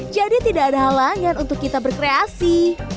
jadi tidak ada halangan untuk kita berkreasi